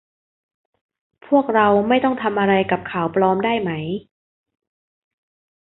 พวกเราไม่ต้องทำอะไรกับข่าวปลอมได้ไหม